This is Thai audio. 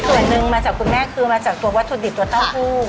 ส่วนหนึ่งมาจากคุณแม่คือมาจากตัววัตถุดิบตัวเต้าหู้